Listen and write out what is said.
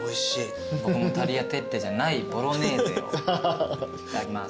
僕もタリアテッレじゃないボロネーゼをいただきます。